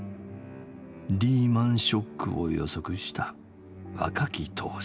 リーマンショックを予測した若き投資家。